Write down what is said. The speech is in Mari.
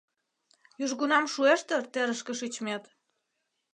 Южгунам шуэш дыр терышке шичмет?